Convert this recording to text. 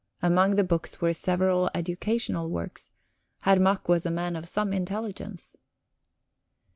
Among the books were several educational works; Herr Mack was a man of some intelligence.